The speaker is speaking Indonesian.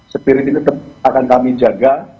sepir ini tetap akan kami jaga